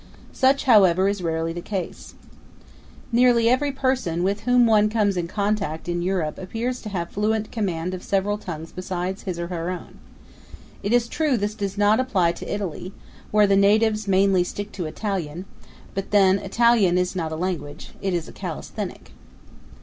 Such, however, is rarely the case. Nearly every person with whom one comes in contact in Europe appears to have fluent command of several tongues besides his or her own. It is true this does not apply to Italy, where the natives mainly stick to Italian; but then, Italian is not a language. It is a calisthenic.